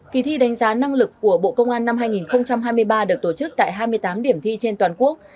kỳ thi đánh giá năng lực của bộ công an năm hai nghìn hai mươi ba được tổ chức tại hai mươi tám điểm thi trên toàn quốc